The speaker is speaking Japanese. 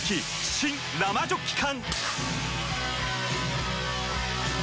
新・生ジョッキ缶！